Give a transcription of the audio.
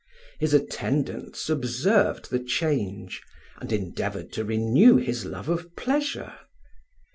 His attendants observed the change, and endeavoured to renew his love of pleasure.